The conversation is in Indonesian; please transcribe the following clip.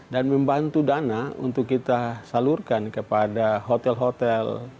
dan membantu dana untuk kita salurkan kepada hotel hotel